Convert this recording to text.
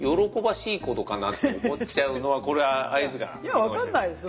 いやわかんないですよ。